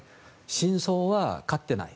真相は買ってない。